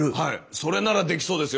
それならできそうですよ